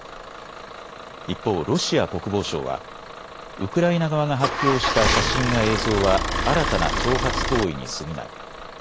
一方、ロシア国防省は、ウクライナ側が発表した写真や映像は新たな挑発行為にすぎない。